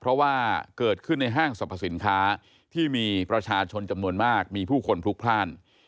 เพราะว่าเกิดขึ้นในห้างสรรพสินค้าที่มีประชาชนจำนวนมากมีผู้คนพลุกพลาด